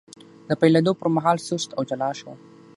د پیلېدو پر مهال سست او جلا شو،